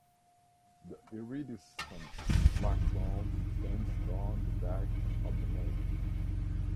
The iridescent black crown extends down the back of the neck.